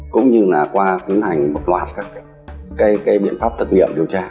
cũng như là qua tiến hành một loạt các biện pháp thực nghiệm điều tra